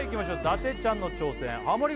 伊達ちゃんの挑戦ハモリ